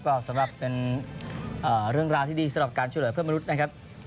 ก็สำหรับเป็นเรื่องราวที่ดีสำหรับการช่วยเหลือเพื่อนมนุษย์นะครับ